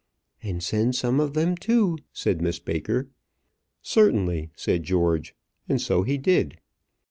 "And send some of them too," said Miss Baker. "Certainly," said George; and so he did.